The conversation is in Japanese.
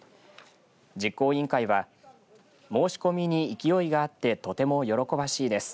実行委員会は申し込みに勢いがあってとても喜ばしいです。